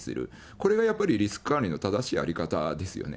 これがやっぱりリスク管理の正しい在り方ですよね。